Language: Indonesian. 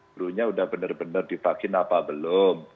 bronya udah benar benar divakin apa belum